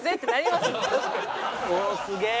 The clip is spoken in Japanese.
おおすげえ。